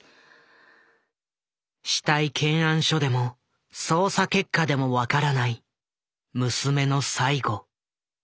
死体検案書でも捜査結果でも分からない娘の最期。